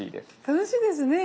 楽しいですね。